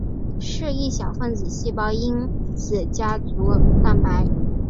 是一小分子细胞因子家族蛋白。